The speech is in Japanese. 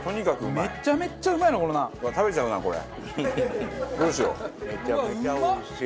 めちゃめちゃおいしい。